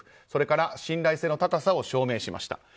それから信頼性の高さを証明しました。